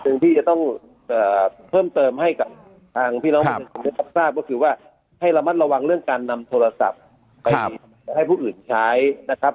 อันหนึ่งที่จะต้องเพิ่มเติมให้กับทางพี่น้องเนี่ยก็คือว่าให้ระมัดระวังเรื่องการนำโทรศัพท์ไปให้ผู้อื่นใช้นะครับ